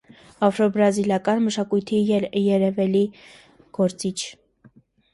«Աֆրոբրազիլական» մշակույթի երևելի գործիչ։